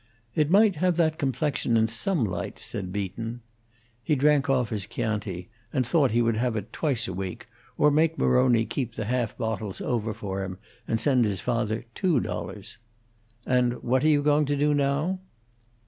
"It might have that complexion in some lights," said Beaton. He drank off his Chianti, and thought he would have it twice a week, or make Maroni keep the half bottles over for him, and send his father two dollars. "And what are you going to do now?"